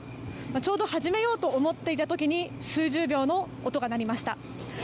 ちょうど始めようと思っていたときに、数十秒の音が鳴りました。